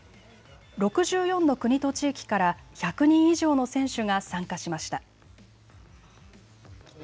６４の国と地域から１００人以上の選手が参加しました。